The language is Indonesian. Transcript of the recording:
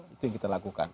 itu yang kita lakukan